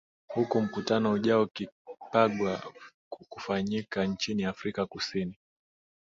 huku mkutano ujao kipagwa kufanyika nchini afrika kusini